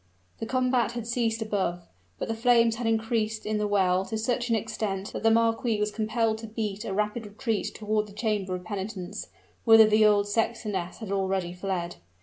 The combat had ceased above, but the flames had increased in the well to such an extent that the marquis was compelled to beat a rapid retreat toward the chamber of penitence, whither the old sextoness had already fled.